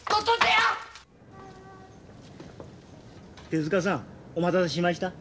手塚さん！お待たせしました。